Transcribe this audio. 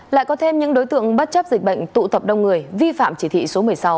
lại có thêm những đối tượng bất chấp dịch bệnh tụ tập đông người vi phạm chỉ thị số một mươi sáu